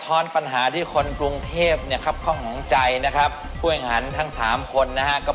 โอเคมาเวลานะครับ